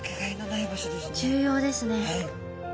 重要ですね。